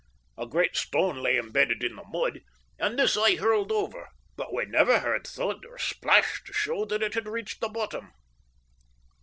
A great stone lay embedded in the mud, and this I hurled over, but we never heard thud or splash to show that it had reached the bottom.